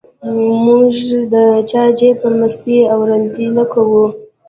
موږ د چا عیب په مستۍ او رندۍ نه کوو.